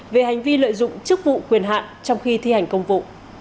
về hành vi lợi dụng chức vụ quyền hạn trong khi thi hành công vụ